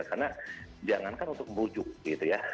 karena jangan kan untuk bojuk gitu ya